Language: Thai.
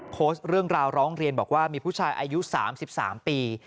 โพสต์เรื่องราวร้องเรียนบอกว่ามีผู้ชายอายุ๓๓ปี